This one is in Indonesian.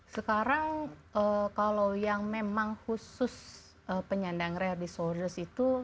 sekarang kalau yang memang khusus penyandang rare disorders itu